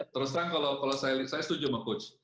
terus terang kalau saya setuju sama coach